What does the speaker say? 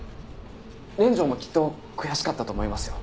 連城もきっと悔しかったと思いますよ。